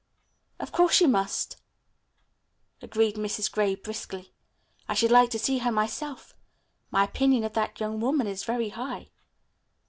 "Of course you must," agreed Mrs. Gray briskly. "I should like to see her myself. My opinion of that young woman is very high."